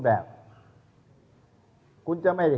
โหวตวันที่๒๒